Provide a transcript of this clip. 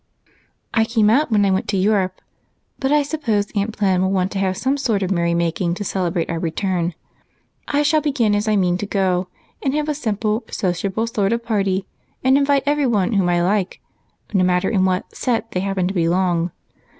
"I came out when I went to Europe, but I suppose Aunty Plen will want to have some sort of merry making to celebrate our return. I shall begin as I mean to go on, and have a simple, sociable sort of party and invite everyone whom I like, no matter in what 'set' they happen to belong.